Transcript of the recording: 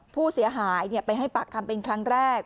ผู้เสียหายไปให้ปากคำเป็นครั้งแรก